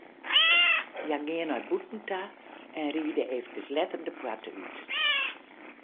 Hja geane nei bûten ta en ride eefkes letter de poarte út.